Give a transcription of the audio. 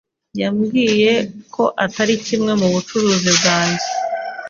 yambwiye ko atari kimwe mu bucuruzi bwanjye.